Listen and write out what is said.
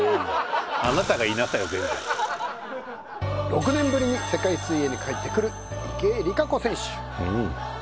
６年ぶりに世界水泳に帰ってくる池江璃花子選手